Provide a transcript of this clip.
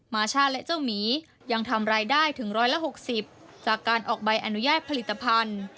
มาช่าและเจ้าหมียังทำรายได้ถึง๑๖๐จากการออกใบอนุญาตผลิตภัณฑ์